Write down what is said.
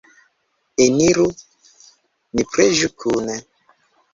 Eniru, ni preĝu kune!